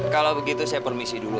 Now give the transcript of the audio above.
kalau begitu saya permisi dulu